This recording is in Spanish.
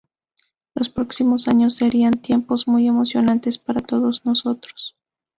Los próximos años serán tiempos muy emocionantes para todos nosotros.